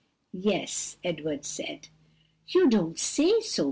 "Yes," Edward said. "You don't say so!"